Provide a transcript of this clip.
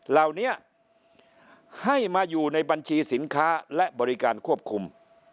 เหล่านี้ให้มาอยู่ในบัญชีสินค้าและบริการควบคุม